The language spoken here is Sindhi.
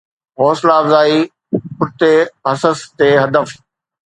حوصلا افزائي پٺتي حصص تي ھدف